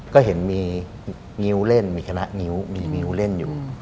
ก็เห็นมีนิ้วเล่นมีคณะงิ้วมีนิ้วเล่นอยู่